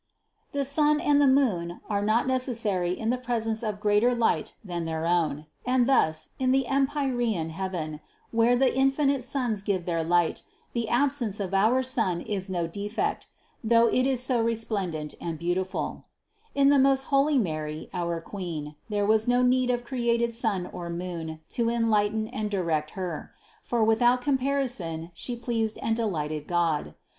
The sun and the moon, are not necessary in the presence of greater light than their own ; and thus, in the empyrean heaven, where the infinite Suns give their light, the absence of our sun is no defect, though it is so resplendent and beautiful In the most THE CONCEPTION 243 holy Mary, our Queen, there was no need of created sun or moon to enlighten and direct Her; for without comparison She pleased and delighted God.